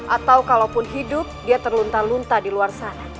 atau kalau pun hidup dia terluntar luntar di luar sana